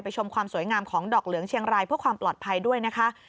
ชมความสวยงามของดอกเหลืองเชียงรายเพื่อความปลอดภัยด้วยนะคะ